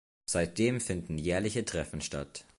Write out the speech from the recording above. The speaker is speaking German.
Seitdem finden jährliche Treffen statt.